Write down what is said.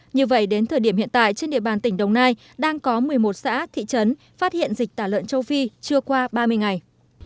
như vậy đến thời điểm hiện tại trên địa bàn tỉnh đồng nai đang có một mươi một xã thị trấn phát hiện dịch tả lợn châu phi chưa qua ba mươi ngày